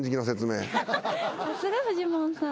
さすがフジモンさん。